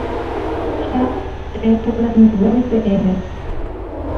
Ha ta'eporãmivoi peẽme.